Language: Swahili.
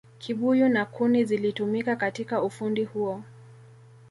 kibuyu na kuni zilitumika katika ufundi huo